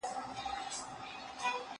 دوهم اصل دا و چې ماده.